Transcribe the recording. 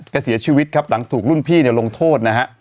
เสียชีวิตครับหลังถูกรุ่นพี่เนี่ยลงโทษนะฮะ